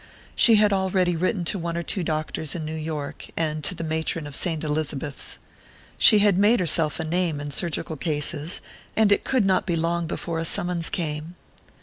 She had already written to one or two doctors in New York, and to the matron of Saint Elizabeth's. She had made herself a name in surgical cases, and it could not be long before a summons came....